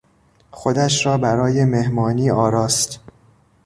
خودش را برای مهمانی آراست.